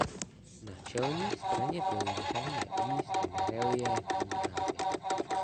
Na čelní straně pilíře je umístěn reliéfní nápis.